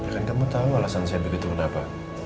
kan kamu tahu alasan saya begitu kenapa